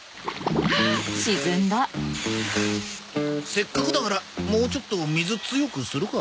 せっかくだからもうちょっと水強くするか。